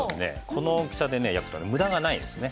この大きさで焼くから無駄がないですね。